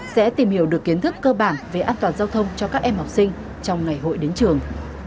sẽ tìm hiểu được kiến thức cơ bản về an toàn giao thông cho các em học sinh trong ngày hội đến trường